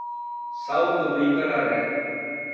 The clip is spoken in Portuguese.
Salto do Itararé